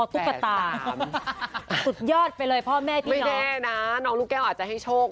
ตุ๊กตาสุดยอดไปเลยพ่อแม่จริงไม่แน่นะน้องลูกแก้วอาจจะให้โชค